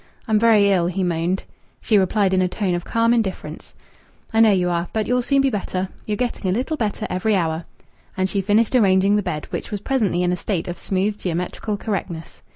"I'm very ill," he moaned. She replied in a tone of calm indifference "I know you are. But you'll soon be better. You're getting a little better every hour." And she finished arranging the bed, which was presently in a state of smooth geometrical correctness.